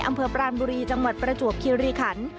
อำเภอปรานบุรีจังหวัดประจวบคิริขัน